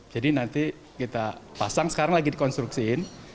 jadi nanti kita pasang sekarang lagi dikonstruksiin